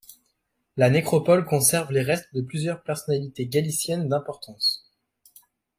La nécropole conserve les restes de plusieurs personnalités galiciennes d'importance.